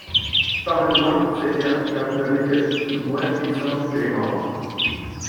Pardonnez-moi, Seigneur, car vous m'avez faite moins puissante que les morts!